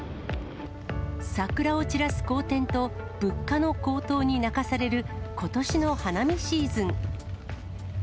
桜を散らす荒天と物価の高騰に泣かされることしの花見シーズン。